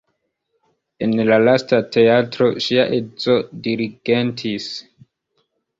En la lasta teatro ŝia edzo dirigentis.